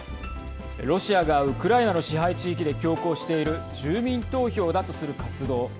ロシアがウクライナの支配地域で強行している住民投票だとする活動。